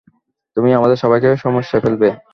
তুমি আমাদের সবাইকে সমস্যায় ফেলবে।